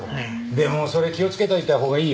でもそれ気をつけておいたほうがいいよ。